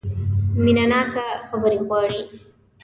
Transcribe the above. مینه ناکه خبرې غواړي .